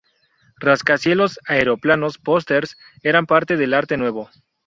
Rascacielos, aeroplanos, posters, eran parte del arte nuevo.